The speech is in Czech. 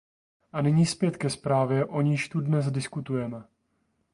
A nyní zpět ke zprávě, o níž tu dnes diskutujeme.